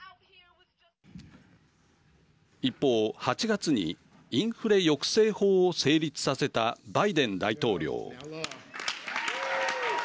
一方、８月にインフレ抑制法を成立させたバイデン大統領。